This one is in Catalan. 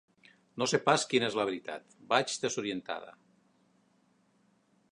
No sé pas quina és la veritat, vaig desorientada.